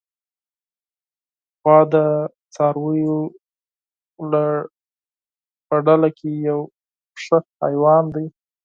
غوا د څارویو له ډله کې یو مهم حیوان دی.